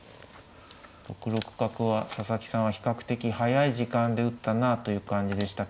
６六角は佐々木さんは比較的速い時間で打ったなあという感じでしたけど